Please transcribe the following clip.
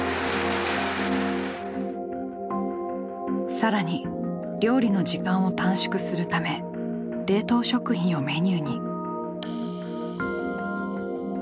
更に料理の時間を短縮するため冷凍食品をメニューに。